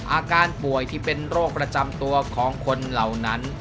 อาการป่วยที่เป็นโรคประจำตัวของคนเหล่านั้น